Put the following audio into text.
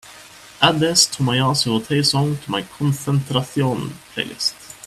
Add this tomoyasu hotei song to my concentración playlist